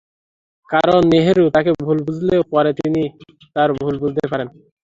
কারণ, নেহরু তাঁকে ভুল বুঝলেও পরে তিনি তাঁর ভুল বুঝতে পারেন।